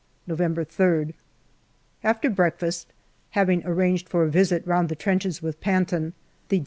November 3rd. After breakfast, having arranged for a visit round the trenches with Panton, the D.A.